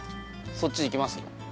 そっちいきます？